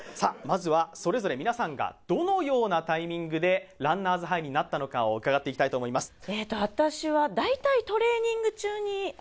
まずはそれぞれ皆さんがどのようなタイミングでランナーズハイになったのかを伺っていきたいと思います